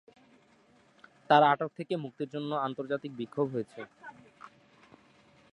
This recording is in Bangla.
তার আটক থেকে মুক্তির জন্য আন্তর্জাতিক বিক্ষোভ হয়েছে।